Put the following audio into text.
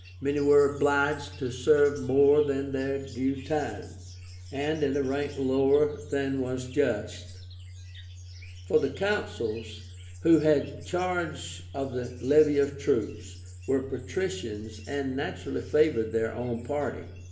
Many were obliged to serve more than their due time, and in a rank lower than was just; for the Consuls, who had charge of the levy of troops, were patricians, and naturally favored their own party.